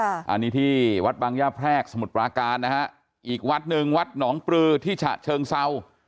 อันนี้ที่วัดบางย่าแพรกสมุทรปราการนะฮะอีกวัดหนึ่งวัดหนองปลือที่ฉะเชิงเศร้า